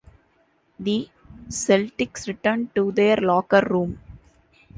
The Celtics returned to their locker room.